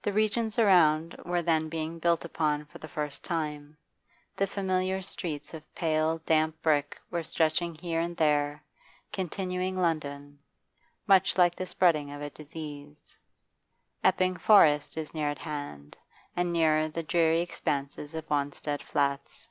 The regions around were then being built upon for the first time; the familiar streets of pale, damp brick were stretching here and there, continuing London, much like the spreading of a disease. Epping Forest is near at hand, and nearer the dreary expanse of Wanstead Flats.